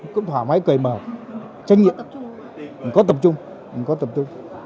cầy mở trách nhiệm có tập trung